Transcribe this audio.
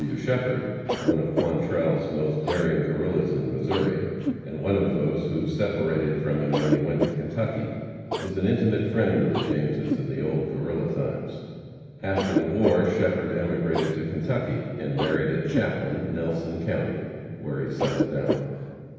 W. Shepherd, one of Quantrell's most daring Guerrillas in Missouri, and one of those who separated from him when he went to Kentucky, was an intimate friend of the Jameses in the old Guerrilla times. After the war Shepherd emigrated to Kentucky and married at Chaplin, Nelson county, where he settled down.